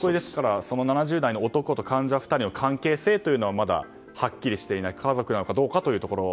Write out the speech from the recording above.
７０代の男と患者２人の関係性というのはまだはっきりしていない家族なのかどうかというところ。